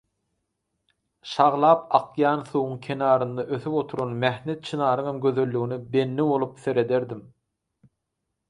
Şaglap akýan suwuň kenarynda ösüp oturan mähnet çynaryňam gözelligine bendi bolup serederdim.